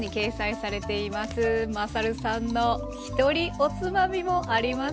まさるさんのひとりおつまみもありますよ。